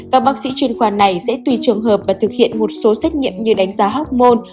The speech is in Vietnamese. các bác sĩ chuyên khoa này sẽ tùy trường hợp và thực hiện một số xét nghiệm như đánh giá hóc môn